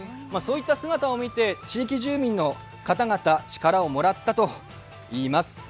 そういった姿を見て地域住民の方々力をもらったといいます。